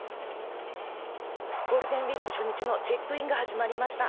ゴールデンウィーク初日のチェックインが始まりました。